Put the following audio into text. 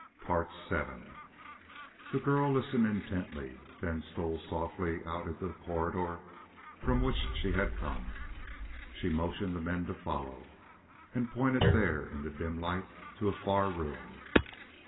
The girl listened intently, then stole softly out into the corridor from which she had come. She motioned the men to follow, and pointed there in the dim light to a far room.